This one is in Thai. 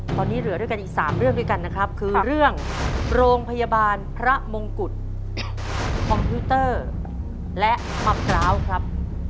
ตอนนี้เหลือด้วยกันอีก๓เรื่องด้วยกันนะครับคือเรื่องโรงพยาบาลพระมงกุฎคอมพิวเตอร์และมะพร้าวครับ